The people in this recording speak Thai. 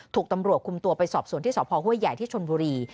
ถูกตำรวจคุมตัวไปสอบสวนที่สพห้วยใหญ่ที่ชนบุรี